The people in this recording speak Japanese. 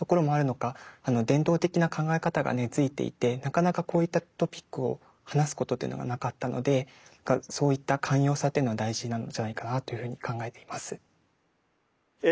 伝統的な考え方が根づいていてなかなかこういったトピックを話すことがなかったのでそういった寛容さっていうのは大事なんじゃないかなというふうに考えています。